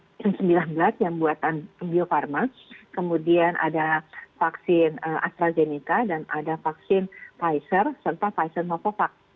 kemudian ada vaksin astrazeneca dan ada vaksin pfizer serta pfizer novavax